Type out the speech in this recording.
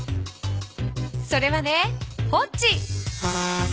それはねホッジ。